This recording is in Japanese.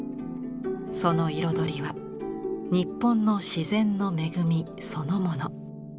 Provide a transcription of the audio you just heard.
その彩りは日本の自然の恵みそのもの。